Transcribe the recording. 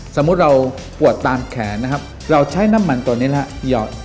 สมมุติเราปวดตามแขนเราใช้น้ำมันตัวนี้แล้วหยอด